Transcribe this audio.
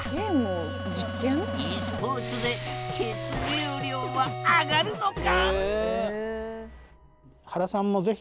ｅスポーツで血流量は上がるのか？